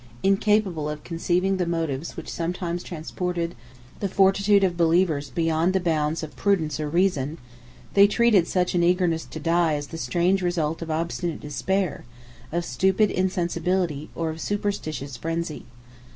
Incapable of conceiving the motives which sometimes transported the fortitude of believers beyond the bounds of prudence or reason, they treated such an eagerness to die as the strange result of obstinate despair, of stupid insensibility, or of superstitious frenzy.